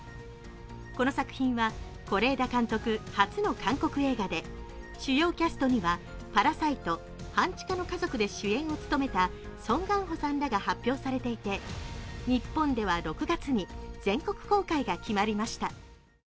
この作品は是枝監督初の韓国映画で主要キャストには「パラサイト半地下の家族」で主演を務めたソン・ガンホさんらが発表されていて、日本では６月に全国公開が決まりました。